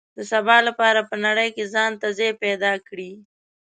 د سبا لپاره په نړۍ کې ځان ته ځای پیدا کړي.